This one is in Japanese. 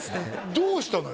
どうしたのよ